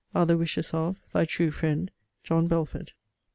are the wishes of Thy true friend, JOHN BELFORD.